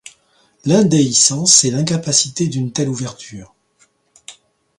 L'indéhiscence est l'incapacité d'une telle ouverture.